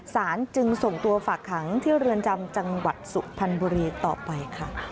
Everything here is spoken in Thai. จึงส่งตัวฝากขังที่เรือนจำจังหวัดสุพรรณบุรีต่อไปค่ะ